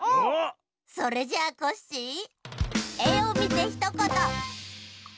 それじゃあコッシーえをみてひとこと！